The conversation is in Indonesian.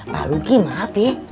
pak luki maaf ya